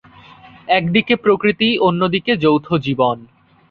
একদিকে প্রকৃতি, অন্যদিকে যৌথ জীবন।